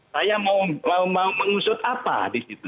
saya mau mengusut apa di situ